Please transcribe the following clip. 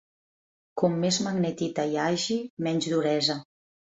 Com més magnetita hi hagi, menys duresa.